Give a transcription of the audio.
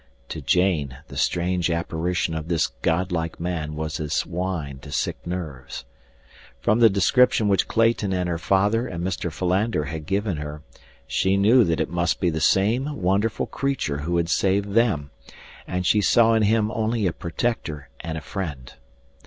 To Jane the strange apparition of this god like man was as wine to sick nerves. From the description which Clayton and her father and Mr. Philander had given her, she knew that it must be the same wonderful creature who had saved them, and she saw in him only a protector and a friend.